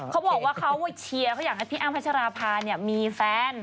เขาบอกว่าเขาเชียร์เขาอยากให้พี่อ้ำพัชราภามีแฟน